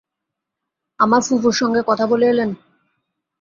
আমার ফুপুর সঙ্গে কথা বলে এলেন?